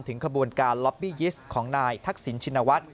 ขบวนการล็อบบี้ยิสต์ของนายทักษิณชินวัฒน์